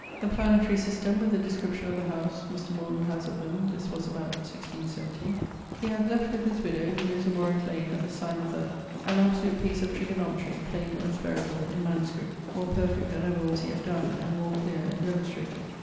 The Planetary Systeme, with a description of the house, (Mr. Morden haz of them) this was about 1670. He hath left with his widowe ( lives in Warwick lane at the signe of the ...) an absolute piece of Trigonometrie, plain and spherical, in MS., more perfect than ever was yet donne, and more cleare and demonstrated.